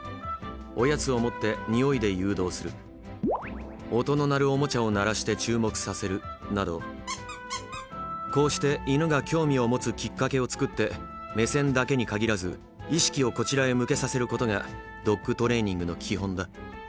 「おやつを持ってニオイで誘導する」「音の鳴るおもちゃを鳴らして注目させる」などこうして犬が興味を持つきっかけを作って目線だけにかぎらず「意識」をこちらへ向けさせることがドッグトレーニングの基本だ。